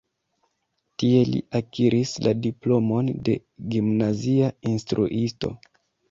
Tie li akiris la diplomon de gimnazia instruisto.